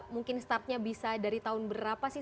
mungkin startnya bisa dari tahun berapa sih